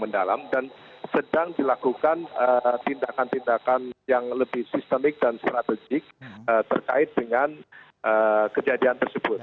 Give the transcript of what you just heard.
dan sedang dilakukan tindakan tindakan yang lebih sistemik dan strategik terkait dengan kejadian tersebut